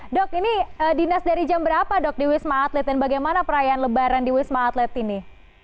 dok ini dinas dari jam berapa dok di wisma atlet dan bagaimana perayaan lebaran di wisma atlet ini